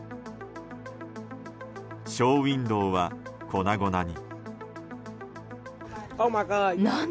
ショーウィンドーは粉々に。